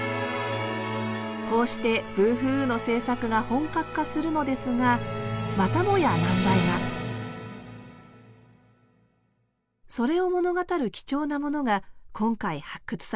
こうして「ブーフーウー」の制作が本格化するのですがまたもや難題がそれを物語る貴重なものが今回発掘されました。